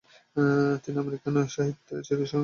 তিনি আমেরিকান সাহিত্যের একটি চিরস্থায়ী অংশ"